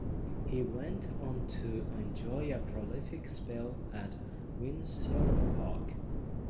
He went on to enjoy a prolific spell at Windsor Park.